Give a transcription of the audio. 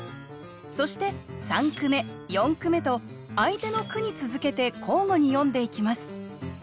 そして三句目四句目と相手の句に続けて交互に詠んでいきます。